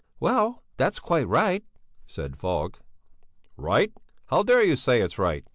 _'" "Well, that's quite right," said Falk. "Right? How dare you say it's right?